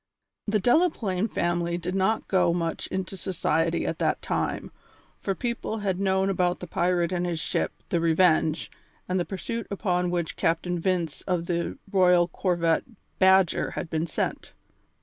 The Delaplaine family did not go much into society at that time, for people had known about the pirate and his ship, the Revenge, and the pursuit upon which Captain Vince of the royal corvette Badger had been sent.